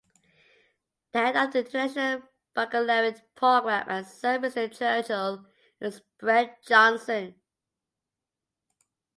The head of the International Baccalaureate program at Sir Winston Churchill is Brent Johnson.